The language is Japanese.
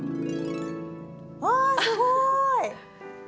あすごい！